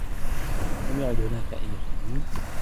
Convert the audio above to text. لم يعد هناك أي صابون.